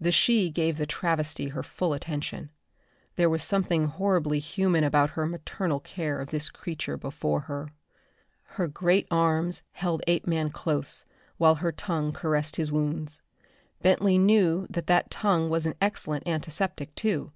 The she gave the travesty her full attention. There was something horribly human about her maternal care of this creature before her. Her great arms held Apeman close while her tongue caressed his wounds. Bentley knew that that tongue was an excellent antiseptic, too.